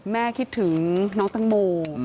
คิดถึงน้องตังโม